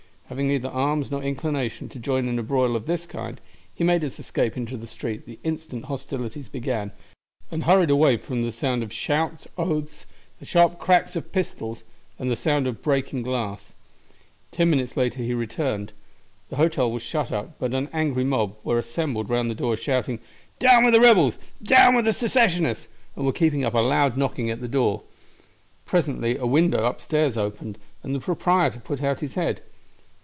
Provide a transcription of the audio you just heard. Having neither arms nor inclination to join in a broil of this kind he made his escape into the street the instant hostilities began, and hurried away from the sound of shouts, oaths, the sharp cracks of pistols, and the breaking of glass. Ten minutes later he returned. The hotel was shut up, but an angry mob were assembled round the door shouting, "Down with the rebels! down with the Secessionists!" and were keeping up a loud knocking at the door. Presently a window upstairs opened, and the proprietor put out his head.